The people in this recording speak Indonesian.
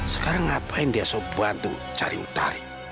sekarang ngapain dia sopan tuh cari utari